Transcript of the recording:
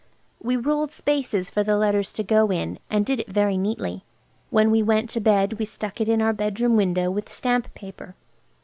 We ruled spaces for the letters to go in, and did it very neatly. When we went to bed we stuck it in our bedroom window with stamp paper.